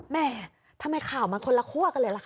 แม่ทำไมข่าวมันคนละคั่วกันเลยล่ะค